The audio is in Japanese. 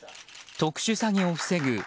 特殊詐欺を防ぐ